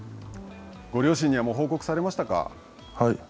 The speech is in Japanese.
ご両親にはもう報告されましたか。